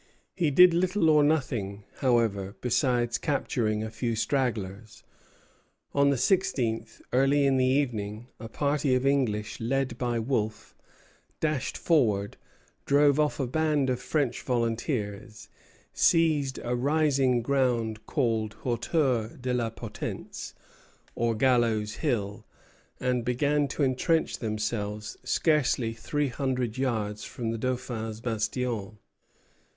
He did little or nothing, however, besides capturing a few stragglers. On the sixteenth, early in the evening, a party of English, led by Wolfe, dashed forward, drove off a band of French volunteers, seized a rising ground called Hauteur de la Potence, or Gallows Hill, and began to entrench themselves scarcely three hundred yards from the Dauphin's Bastion.